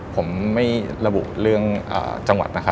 ผมไม่ระบุเรื่องจังหวัด